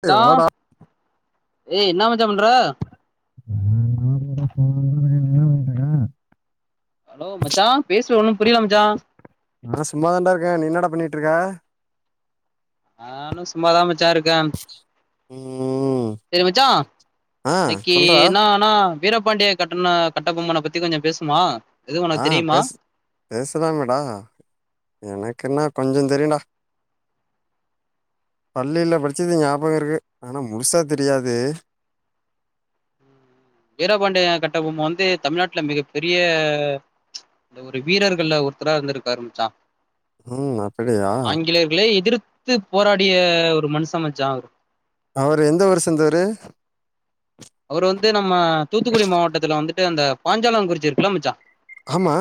மச்சா ஏய், வாடா ஏ என்ன மச்சா பண்ற [unintelligible] ஹலோ மச்சா பேசுவ ஒன்னும் புரியல மச்சா நா சும்மாதாண்டா இருக்கே நீ என்னட பண்ணிட்டு இருக்க நானு சும்மாாதா மச்சா இருக்கேம் ம், சரி மச்சா ஆ இன்னைக்கு சொல்றா என்னானா வீரபாண்டிய கட்டண கட்ட பொம்மன பத்தி கொஞ்சொ பேசுவ்மா ஆ பேச பேசுலாமேடா எனக் என்ன கொஞ்சந் தெரியுண்டா பள்ளியில படிச்சது ஞாபகொ இருக்கு ஆனா முழுசா தெரியாது வீராபாண்டிய கட்டபொம்ம வந்து தமிழ்நாட்டுல மிகப்பெரிய இந்த ஒரு வீரர்கள்ல ஒருத்தரா இருந்திருப்பாரு மச்சா ம் அப்படியா ஆங்கிலேயர்களை எதிர்த்து போராடிய ஒரு மனுஷ மச்சா அவர் அவரு எந்த ஊர் சேந்தவரு அவரு வந்து நம்ம தூத்துக்குடி மாவட்டத்துல வந்துட்டு அந்த பாஞ்சாலம் குறிச்சி இருக்குல மச்சா ஆமா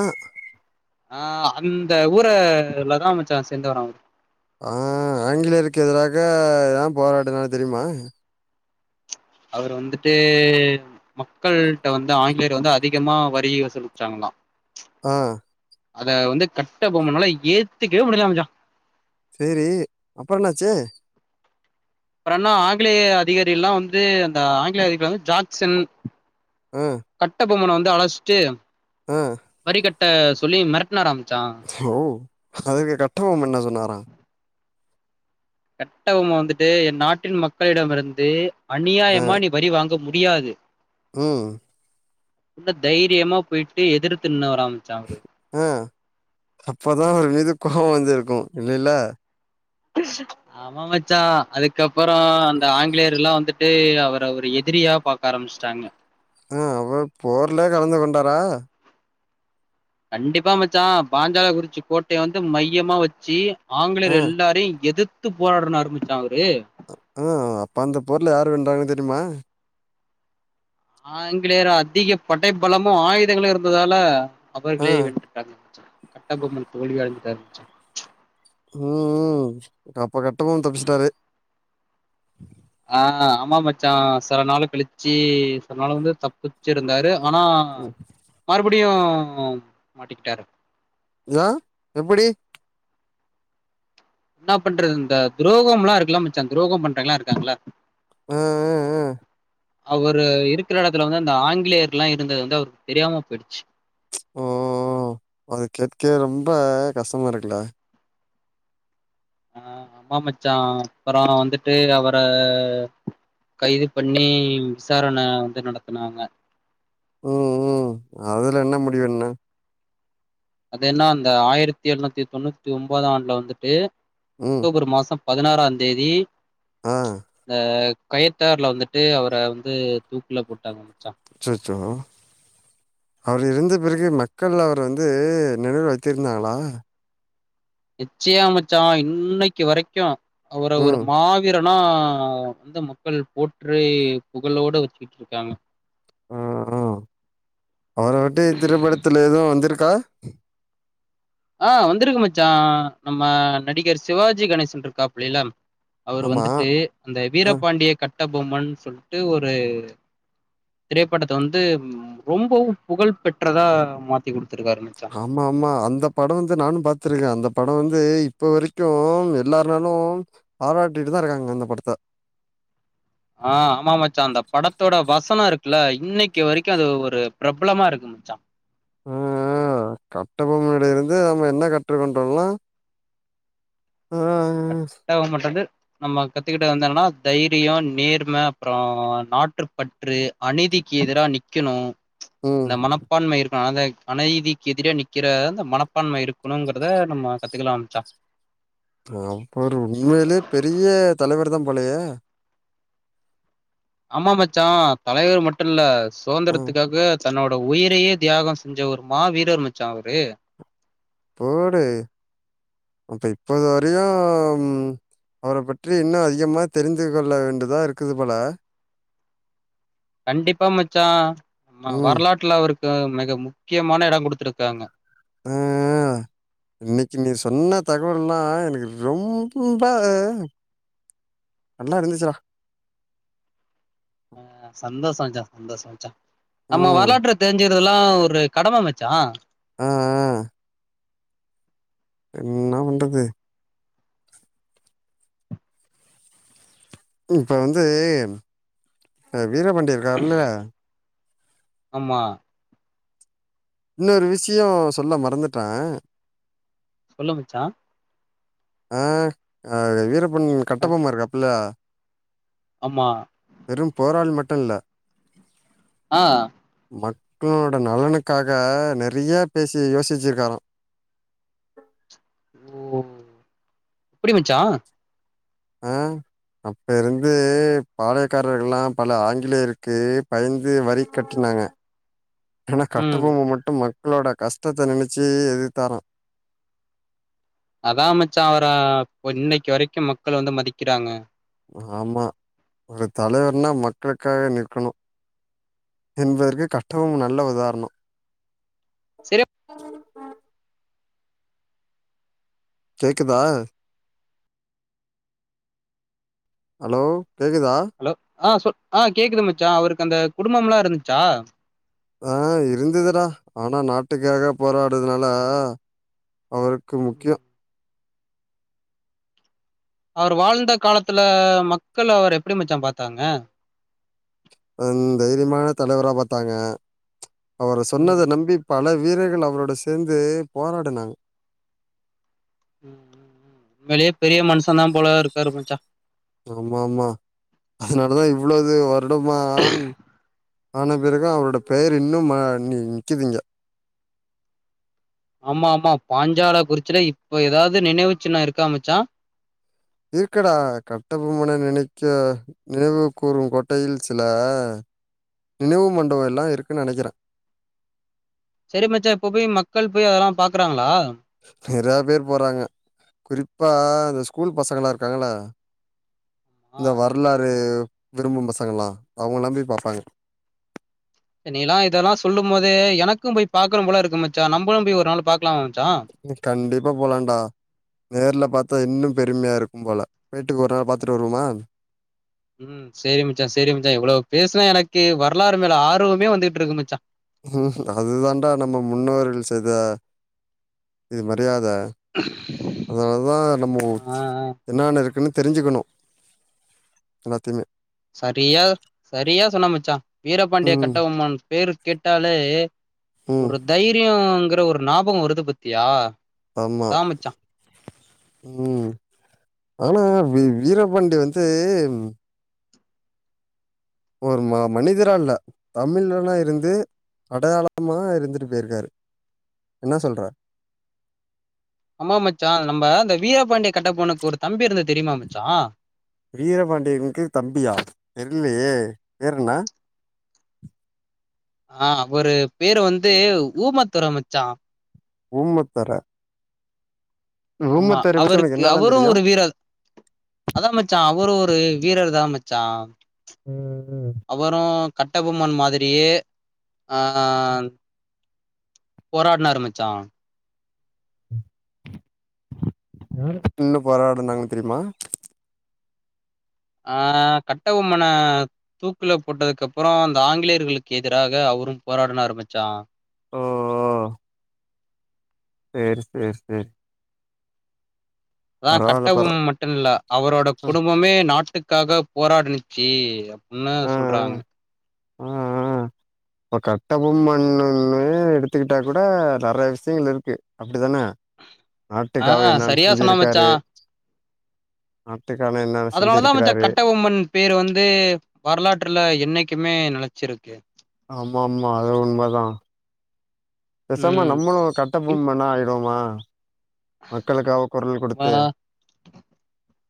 ஆ அந்த ஊரலதா மச்சா சேர்ந்தவரா அவரு ஆ ஆங்கிலேயருக்கு எதிராக ஏ போராடுனாரு தெரியுமா அவர் வந்துட்டு மக்கள்ட்ட வந்து ஆங்கிலேயர் வந்து அதிகமா வரி வசூலிச்சாங்க நா ஆ அத வந்து கட்ட பொம்மனால ஏத்துக்கவே முடியலமா மஜா சரி அப்பறொ என்னாச்சு? அப்பறொ என்னா ஆங்கிலேய அதிகாரிகள்லா வந்து அந்த ஆங்கிலேய அதிகாரி வந்து ஜாக்சன் ம் ப்பமணொ வந்து அழச்சிட்டு அ ட்ட சொல்லி மெரட்டுனாரா மச்சா ஓ அதுக்கு கட்டபொம்ம என்ன சொன்னாரா? கட்டபொம்ம வந்துட்டு என் நாட்டின் மக்களிடமிருந்து ஆ அநியாயமா நீ வரி வாங்க முடி டியாது ம் உள்ள தைரியமா போயிட்டு எதிர்த்து நின்னவ அ அப்பதா அவரு மீது கோவொ வந்துருக்கு இல்லைல ஆமா மச்சா அதுக்கப்பறொ அந்த ஆங்கிலேயர் எல்லா வந்துட்டு அவர ஒரு எ திரியா பாக்க ஆரம்பிச்சுட்டாங்க. ஆ அவர் போர்லே கலந்து கொண்டாரா? கண்டிப்பா மச்சா பாஞ்சால குறிச்சி கோட்டைய வந்து மையமா வச்சு ஆ ஆங்கிலேயர் எல்லாரையு எதிர்த்து போராடனு ஆரம்பிச்சா அவரு ஆ அப்ப அந்த பொர்ல யாரு வென்றாங்கன்னு தெரியுமா? ஆங்கிலேயர அதிக படை பலமு ஆயுதங்களு இருந்ததால ஆ அவர்களே வென்றுட்டாங்க. கட்ட பொம்மன் தோல்வி அடஞ்சுட்டாரு மச்சா ம் ம் அப்ப கட்டபொம் தப்பிச்சுட்டாரு ஆ ஆமா மச்சான் செல நாள் கழிச்சு செல நாள் வந்து தப்பிச்சு இருந்தாரு ஆனா ம் மறுபடியு மாட்டிக்கிட்டாரு யா எப்படி? என்னா பண்றது இந்த துரோகம்லா இருக்குல மச்சான் துரோகம் பண்றங்கள்ல்லா இருக்காங்குல ஆ அ அ அவரு இருக்குற எடத்துல வந்து அந்த ஆங்கிலேயர்கள்லா இருந்தது வந்து அவருக்கு தெரியாம போயிடுச்சு. ஓ அது கேட்கவே ரொம்ப கஷ்டமா இருக்குல்ல ஆ ஆமா மச்சான் அப்பறொ வந்துட்டு அவர கைது பண்ணி விசாரண வந்து நடத்துனாங்க. ம் ம் அதுல என்ன முடிவு என்ன அது என்னா அந்த ஆயிரத்தி எழுநூத்தி தொண்ணூத்தி ஒன்பதாண்டுல வந்துட்டு ம் அக்டோபர் மாசம் பதினாறாந் தேதி ஆ இந்த கயத்தார்ல வந்துட்டு அவர வந்து தூக்குல போட்டாங்க மச்சா. அச்சச்சோ அவர் இறந்த பிறகு மக்கள் அவர வந்து நெனைவு வைக்கிருந்தாங்ளா நிச்சயொ மச்சா இன்னைக்கு வரைக்கு அவர ஒரு ம் மாவீர் ரன்னா வந்து மக்கள் போற்றி புகழோட வச்சுக்கிட்டுருக்காங்க. ஆ ஆ அவர பத்தி திரைப்படத்துல எதுவும் வந்திருக்கா? ஆ வந்திருக்கு மச்சா நம்ம நடிகர் சிவாஜி கணேஷன்றுருக்காப்புள்ளைல அவரு ஆமா. வந்துட்டு அந்த அ. வீரபாண்டிய கட்டபொம்மன் சொல்ட்டு ஒரு திரைப்படத்த வந்து ம் ரொம்பொவு புகழ் பெற்றதா மாத்தி குடுத் ஆமா ஆமா அந்த படொ வந்து நானு பாத்திருக்க அந்த படொ வந்து இப்ப வரைக்கு எல்லாருனாலு பாராட்டிட்டுதா தருக்காங்க இந்த படத்த அ ஆமா மச்சா அந்த படத்தோட வசனொ இருக்குல்ல இன்னைக்கு வரைக்கு அது ஒரு பிரபலமாருக்கு இந்ச்சா ஆ அ கட்டபொம்மன்ட்ட இருந்து நம்ம என்ன கற்றுக் கொண்டோம்னா அ அ கட்டபொம்மன் வந்து நம்ம கத்துக்கிட்டது வந்து என்னனா தைரியோ நேர்ம அப்புறொ நாற்றுப்பற்று அநீதி க்கு எதிரா நிக்கணு ம். இந்த மனப்பான்மை இருக் அ ஆந்த அநதிக்கு எதிரே நிக்கிற அந்த மனப்பான்மை இருக்கணுங்கிறத நம்ம கத்துக்கலாம் மச்சா [unintelligible] உண்மையிலே பெரிய தலைவர்தா போலயே ஆமா மச்சா தலைவர் மட்டு இல்ல அ சுதந்திரத்துக்காக தன்னோட உயிரையே தியாகம் செஞ்ச ஒரு மா வீரர் மச்சா அவரு போடு அப்ப இப்போது வரையு ம் அவர பற்றி இன்னு அதிகமா தெரிஞ்சுக்கொள்ளா வேண்டுதா இருக்குது போல கண்டிப்பா மச்சா வ ம். வரலாற்றுல அவருக் க மெக முக்கியமான எடொங் குடுத்துருக்காங்க. ம் ம் இன்னைக்கு நீ சொன்ன தகவல்கலா எனக்கு ரொம்ப நல்லா இருந்துச்சுடா ஆ சந்தோஷ மச்சா சந்தோஷொ மச்சா நம்ம ம். வரலாற்ற தெரிஞ்சு க்றதெல்லா ஒரு கடம மச்சா ஆ அ என்னா பண்றது இப்ப வந்து அ வீரபாண்டி இருக்காருல்ல ஆமா இன்னோரு விஷ்யொ சொல்ல மறந்துட்ட சொல்லு மச்சா ஆ ஆ வீரப்பன் ஆ, கட்டப்பொம்ம இருக்காப்புல்ல ஆமா வெறும் போராள் மட்டுல்ல ஆ மக்களோட நலனுக்காக நெறியா பேசி யோசிச் வச்சிருக்காராம் ஓ எப்டி மச்சா ஆ அப்ப இருந்து ம், பாலையக் க்காரர்கள்ல்லா பல ஆங்கிலேயருக்கு பயந்து வரி கட்டுனாங்க. ஏன்னா ம் கட்டபொம்ம மட்டு மக்களோட கஷ்டத்த நெனைச்சு எதுத்தாரா அதான் மச்ச அவர ப்ப இன்னைக்கு வரைக்கு மக்கள் வந்து மதிக்கிறாங்க. ஆமா ஒரு தலைவர்னா மக்களுக்காக நிற்கணும் என்பதற்குக் கட்டபொம்மன் நல்ல உதாரணம் சரி கேக்குதா ஹலோ கேக்குதா ஹலோ ஆ சொல் ஆ கேக்குது மச்சா அவருக்கு அந்த குடும்பம் எல்லா இருந்துச்சா ஆ இருந்ததுடா ஆனா நாட்டுக்காக போராடுதுனால அவருக்கு முக்கியோ அவர் வாழ்ந்த காலத்துல மக்கள் அவர் எப்படி மச்சா பாத்தாங்க தைரியமான தலைவரா பார்த்தாங்க அவர ம். சொன்னதை ம். நம்பி பல வீரர்கள் அவரோட சேர்ந்து போராடுனாங்க ம் ம் ம் உன்மளியே பெரிய மனுஷன் தான் போல இருக்காருமச்சா ஆமா ஆமா அதனாலதான் இவ்வளது வருடமா ஆம் ஆன பிறகு அவரோட பெயர் இன்னும் நீ நிக்குது இங்க ஆமா ஆமா பாஞ்சால குறிச்சுல இப்ப ஏதாவது நினைவு சின்னோ இருக்கா மச்சா இருக்கடா கட்டபொம்மன நினைக்க நினைவு கூறும் கோட்டையில் சில நினைவு மண்டப எல்லாம் இருக்குன்னு நினைக்கிறே சரி மச்சா இப்ப போய் மக்கள் போய் அதெல்லா பாக்குறாங்களா நிறையாபேர் போறாங்க குறிப்பா இந்த ஸ்கூல் பசங்களா இருக்காங்கள ஆ. இந்த வரலாறு விரும்பும் பசங்கல்லாம் அவங்க எல்லாம் போய் பாப்பாங்க நீலா இதெல்லா சொல்லும் போதே எனக்கும் போய் பாக்கணும் போல இருக்கு மச்சா நம்பழும் போய் ஒரு நாள் பா கண்டிப்பா போலான்டா நேர்ல பார்த்தா இன்னும் பெ ருமையா இருக்கும் போல போய்டு ஒரு நாள் பாத்துட்டு வருவுமா ம் சரி மச்சா சரி மச்சா எவ்வளவு பேசுனா எனக்கு வரலாறு மேல ஆர்வமே வந்துகிட்டு இருக்கு மச்சா ம் அதுதாண்டா நம்ம முன்னோர்கள் செய்த இது மரியாத அதனாலதான் நம்ம ஆ, ஆ. என்னன்ன இருக்கு தெரிஞ்சுக்கணு எல்லாத்தையுமே சரியா சரியா சொன்ன மச்சான் வீரபாண்டிய ம் கட்ட பொம்மன் பேரு கேட்டாலே ம் ஒரு தைரியங்குற ஒரு ஞாபகம் வருது பத்தியா ஆமா ம் ஆனா வீரபாண்டி வந்து ஒரு ம மனிதரால்ல தமிழனா இருந்து அடையாளமா இருந்துட்டு போயிருக்காரு என்ன சொல்ற ஆமாமா மச்சா நம்ம அந்த வீராபாண்டிய கட்ட பொம்மனுக்கு ஒரு தம்பி இருந்து வீரபாண்டியனுக்கு தம்பியா தெரிலையே ஃபேர் என்ன ஆ அவரு பேரு வந்து ஊமாத்துற மச்சா ஊமத்துர ஆமா உனக்கு அவருக்கு என்னாலா அவரு தெரியு ஒரு வீரர் அதான் மச்சா அவரும் ஒரு வீரர் தா மச் சா ம் ம் கட்ட பொம்மன் மாதிரியே ஆ போராடுனாரு மச்சா ய நின்னு போராடுனாங்கன்னு தெரியுமா ஆ கட்ட பொம்மன தூக்குல போட்டதுக்கு அப்புறம் அந்த ஆங்கிலேயர்களுக்கு எதிராக அவ அவரு போராடுனாரு மச்சா ஓஓ சேரி சேரி சேரி அதா கட்ட பரவால்ல பரவா பொம்மன் மட்டு இல்ல அவரோட குடும்பமே நாட்டுக் க்காக போராடினிச்சு அப்படின்னு ஆ சொல்றாங்க ஆ ஆ இப்ப கட்டபொம்மண்ணன்னே எடுத்துக்கிட்டா கூட நெறைய விஷ்யங்கள் இருக்கு அப்டி தான ஆ நாட்டுக்காவ என்னென்ன சரியா சொன்ன மச்சா செஞ்சிருக்காரு நாட்டுக்கான என்னென்ன அதனாலதா மச்சா செஞ்சிருக்கிறாரு கட்டபொம்மன் பேரு வந்து வரலாற்றுல என்னைக்குமே நெலச்சிருக்கு ஆமா ஆமா அது உண்மதா பேசாமா ம் நம்மளு கட்டபொம்மனா ஆய்ருவோமா மக்களுக்காவ கொர நம்மளா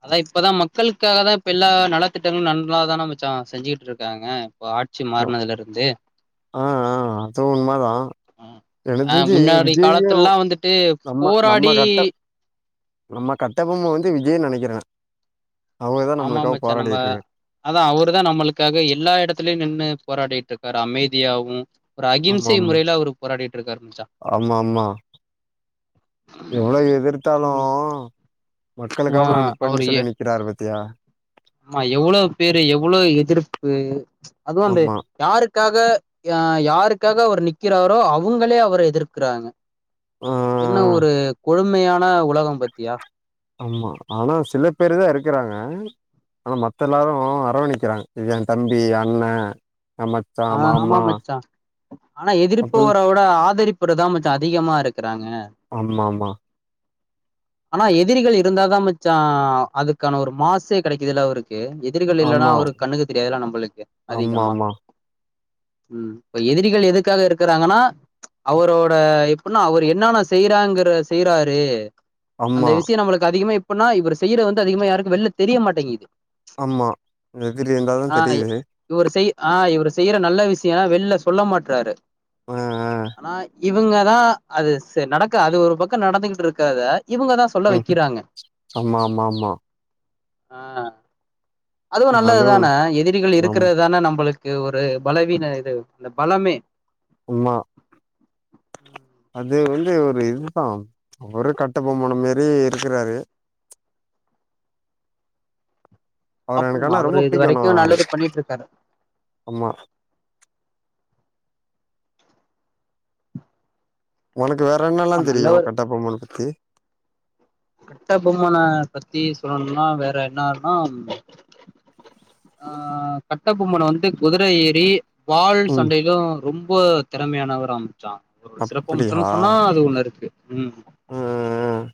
அதா இப்பதா மக்களுக்காக தா இப்ப எல்லா நலத் திட்டங்கள் நன்லாதான மச்சா செஞ்சுகிட்ருக்காங்க இப்ப ஆட்சி ஆ மாறுனதுல இருந்து ஆ அது உண்மதா எனக்கு ஆ தெரிஞ்சு முன்னாடி விஜய்யு காலத்துலல்லா வந்துட்டு நம்ம நம்ம போராடி கட்ட நம்ம கட்டபொம்ம வந்து விஜய்ன் நெனைக்கிறே அவர்தா ஆமா நம்மளுக்காக மச்சா நம்ப போராடிட்ருக்காரு அதா அவரு தா நம்மளுக்காக எல்லா எடத்துலயு நின்னு போராடிட்டு இருக்காரு அமைதியாவு ஒரு ஆமா அகிம்சை ஆமா முறைல அவரு போராடிட்ருக்காரு மச்சா ஆமா ஆமா எவ்ளோ எதிர்த்தாலு ம் ஆ மக்களுக்காக நா நிப்பேனு அவரு எ சொல்லி நிக்கிறாரு பாத்தியா ஆமா எவ்வளோ பேரு எவ்வளோ எதிர்ப்பு அதுவு அந்த ஆமா யாருக்காக யா யாருக்காக அவரு நிக்கிறாரோ அவுங்களே அவர எதிர்க்குறாங்க ஆ என்ன ஒரு கொழுமையான உலகம் பாத்தியா ஆமா ஆனா சில பேரு தா எருக்குறாங்க ஆனா மத்த எல்லாரு அரவணிக்கிறாங்க இது எ தம்பி அண்ண ஆ மச்சா ஆ ஆமா மாமா மச்சா ஆனா அப்புன் எதிர்ப்பவர விட ஆதரிப்பரு தா மச்சா அதிகமா இருக்கு ஆமாம்மா ஆனா எதிரிகள் இருந்தாதா மச்சா அதுக்கான ஒரு மாசே கெடைக்குதுல அவருக்கு கே எதிரிகள் இல்லனா ஆமா அவரு கண்ணுக்கு தெரியாதுல்ல நம்பளுக்கு அதிகமா ஆமாமா ம் இப்ப எதிரிகள் எதுக்காக இருக்குறாங்கனா அவரோட எப்புட்னா அவரு என்னென்னா செய்றாங்கறத செய்றாரு அந்த ஆமா விஷ்ய நம்மளுக்கு அதிகமா எப்புட்னா இவரு செய்றது வந்து அதிகமா யாருக்கு வெள்ல தெரிய மாட்டேங்குது ஆமா எதிரி இருந்தாதா ஆ தெரியுது இவரு செய் ஆ இவரு செய்ற நல்ல விஷ்ய வெள்ல சொல்ல மாட்றாரு ஆ ஆனா இவுங்க தா அது சேர் நடக்கா அது ஒரு பக்க நடந்துகிட்ருக்கத இவுங்கதா சொல்ல ஆ ம் வெக்கிறாங்க ஆமா ஆமா ஆமா அ அதுவு நல்லதுதான எதிரிகள் நம் இருக்கிறது தான நம்பளுக்கு ஒரு ஒரு பலவீன இது அந்த பலமே உம்மா அந் இது வந்து ஒரு இதுதா அவரு கட்டபொம்மன மாரி இருக்குறாரு அவர எனக்கு அப்போம்மா ஆனா ரொம்ப அவரு இது புடிக்கு நா வரைக்கு நல்லது பண்ணிட்ருக்காரு ஆமா உனக்கு வேற என்னலா ஆமா தெரியு நல்லவர் கட்டபொம்மன பத்தி கட்ட பொம்மன பத்தி சொல்லணும்னா வேற என்னான்னா ஆ கட்ட பொம்மன வந்து குதுர ஏறி வால் ம் சண்டைக்கு ரொம் ம்ப திறமையானவராம் ச்சா ஒரு சிறப்பம்சனு அப்படியா சொன்னா அது ஒன்னு இருக்கு ம் ம்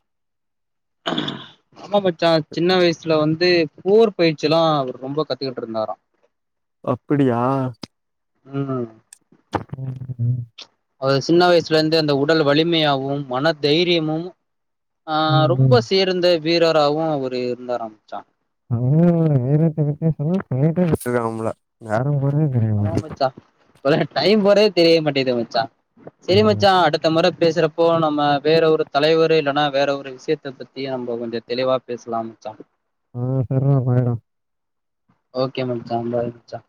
ஆமா மச்சா சின்ன வயசுல வந்து போர் பயிற்சிலா அவரு ரொம்ப கத்துக்கிட்ருந்தாரா அப்பிடியா ம் ம் ம் அது சின்ன வய்சுலேந்து அந்த உடல் வலிமையாவவு மன தைரியமு ஆ ம் ரொம்ப சேர்ந்த வீரராகவு அவுர் இருந்தாரா மச்சா ம் வீரத்தை பத்தி சொன்னா சொண்ணிட்டே வச்சிருக்கம்ல வோரும் போய [unintelligible] தெரிய ஆமா மாட்டேங்கிது மச்சா டைம் போறவே தெரிய மாட்டேது மச்சா செரி ஆமா மச்சா அடுத்த மொற பேசுறப்போ நம்ம வேற ஒரு தலைவர்ரு இல்லன்னா வேற ஒரு விஷ்யத்த பத்தி நம்ம கொஞ்ச தெளிவா பேசலாம்ச்சா ம் சரிடா பாய்டா ஓகே மச்சா பாய் மச்சா